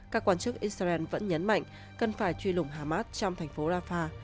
các quan chức israel vẫn nhấn mạnh cần phải truy lùng hamas trong thành phố rafah